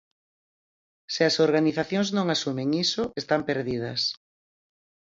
Se as organizacións non asumen iso están perdidas.